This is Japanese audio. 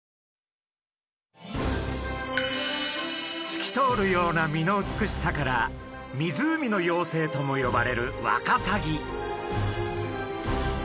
すき通るような身の美しさから「湖の妖精」とも呼ばれるワカサギ。